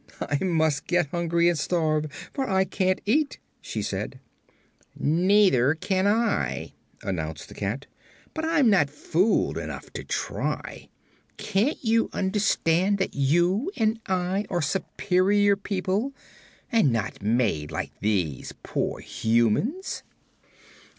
"I must get hungry and starve, for I can't eat," she said. "Neither can I," announced the cat; "but I'm not fool enough to try. Can't you understand that you and I are superior people and not made like these poor humans?"